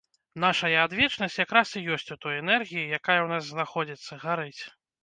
Нашая адвечнасць якраз і ёсць у той энергіі, якая ў нас знаходзіцца, гарыць.